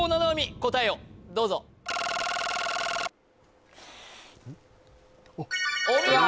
答えをどうぞお見事！